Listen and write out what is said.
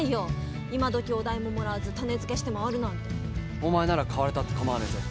お前なら買われたって構わねえぜ。